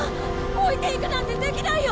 置いていくなんてできないよ。